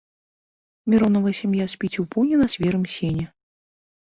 Міронава сям'я спіць у пуні на свежым сене.